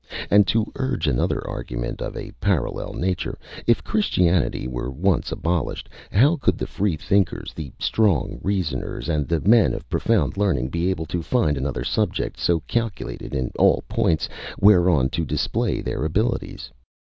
And to urge another argument of a parallel nature: if Christianity were once abolished, how could the Freethinkers, the strong reasoners, and the men of profound learning be able to find another subject so calculated in all points whereon to display their abilities?